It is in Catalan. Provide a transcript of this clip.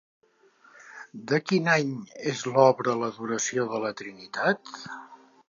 De quin any és l'obra l'Adoració de la Trinitat?